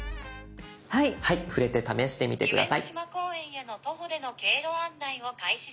触れて試してみて下さい。